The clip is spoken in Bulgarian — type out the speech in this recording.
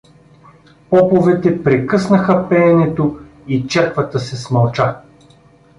Поповете прекъснаха пеенето и черквата се смълча.